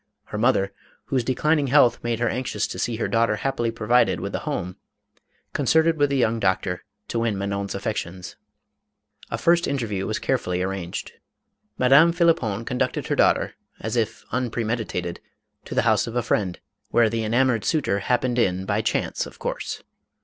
Her mother, whose declining health made her anxious to see her daughter happily provided with a home, concerted with the young doctor, to win Manon's affections. A first interview was carefully ar ranged. Madame P. conducted her daughter, as if un premeditated, to the house of a friend, where the enam 488 MADAME ROLAND. ored suitor happened in by chance, of course.